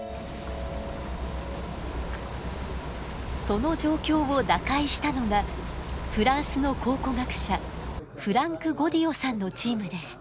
その状況を打開したのがフランスの考古学者フランク・ゴディオさんのチームです。